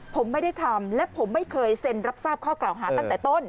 ผมไม่ได้ทำและผมไม่เคยเซ็นรับทราบข้อกล่าวหาตั้งแต่ต้น